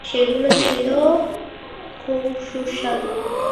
সেগুলো ছিল খুবই সুস্বাদু।